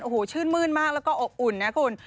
โอ้โหชื่นมื้นมากแล้วก็อบอุ่นนะคุณ